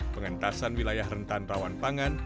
pengentasan wilayah rentan rawan pangan